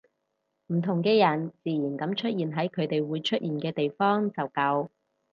唔同嘅人自然噉出現喺佢哋會出現嘅地方就夠